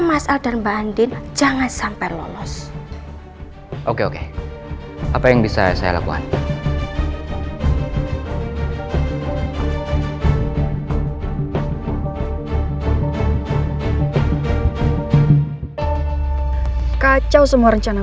masal dan banding jangan sampai lolos oke oke apa yang bisa saya lakukan kacau semua rencana